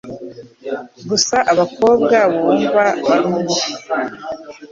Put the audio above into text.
Gusa abakobwa bumva barumve